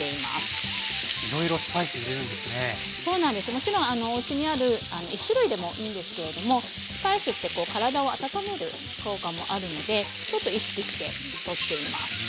もちろんおうちにある１種類でもいいんですけれどもスパイスって体を温める効果もあるのでちょっと意識してとっています。